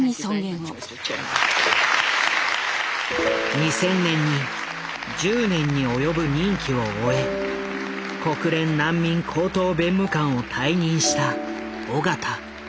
２０００年に１０年に及ぶ任期を終え国連難民高等弁務官を退任した緒方。